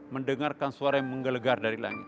mendengarkan suara yang menggelegar dari langit